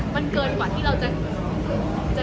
มันเกินกว่าที่เราจะ